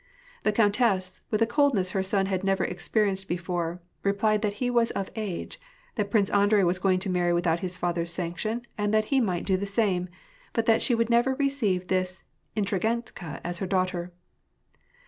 The countess, with a coldness her son had never experienced before, replied that he was of age, that Prince Andrei was going to marry without his father's sanction, and that he might do the same; but that she would never receive this intri' gantka as her daughter.